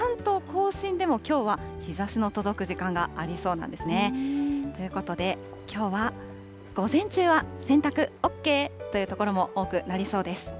甲信でも、きょうは日ざしの届く時間がありそうなんですね。ということで、きょうは午前中は洗濯ＯＫという所も多くなりそうです。